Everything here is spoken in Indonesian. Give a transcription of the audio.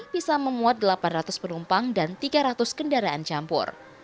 bisa memuat delapan ratus penumpang dan tiga ratus kendaraan campur